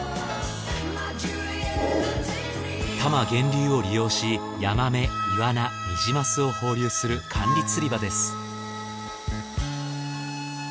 多摩源流を利用しヤマメイワナニジマスを放流する管理釣り場です。